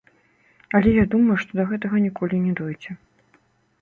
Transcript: Але я думаю, што да гэтага ніколі не дойдзе.